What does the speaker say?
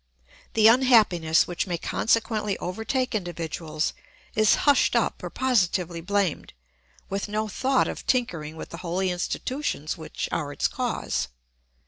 The unhappiness which may consequently overtake individuals is hushed up or positively blamed, with no thought of tinkering with the holy institutions which are its cause.